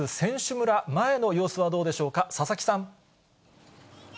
村前の様子はどうでしょうか、佐々木さん。